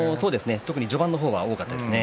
特に序盤の方多かったですね。